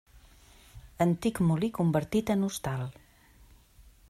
Antic molí convertit en hostal.